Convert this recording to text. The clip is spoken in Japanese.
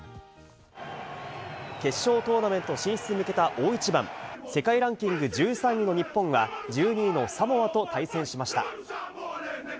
決勝トーナメント進出に向けた大一番、世界ランキング１３の日本が１２位のサモアと対戦しました。